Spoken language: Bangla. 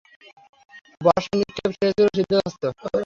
বর্শা নিক্ষেপে সে ছিল সিদ্ধহস্ত।